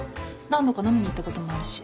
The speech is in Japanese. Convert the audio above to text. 何度か飲みに行ったこともあるし。